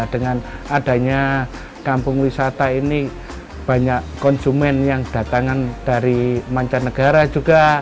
dengan adanya kampung wisata ini banyak konsumen yang datangan dari mancanegara juga